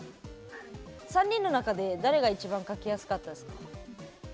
３人の中で誰が一番描きやすかったですか？